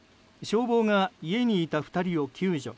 消防が家にいた２人を救助。